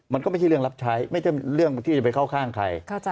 มันก็ไม่ใช่เรื่องรับใช้ไม่ใช่เรื่องที่จะไปเข้าข้างใคร